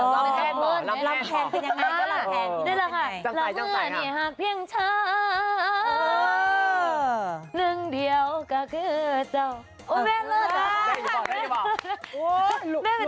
เมื่อกี้เห็นฝันบอกว่าย่อดวิวตังค์มากคือ๕ล้าน